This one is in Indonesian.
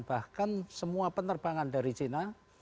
bahkan semua penerbangan dari china